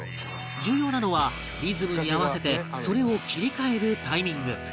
重要なのはリズムに合わせてそれを切り替えるタイミング